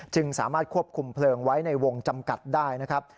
สามารถควบคุมเพลิงไว้ในวงจำกัดได้นะครับ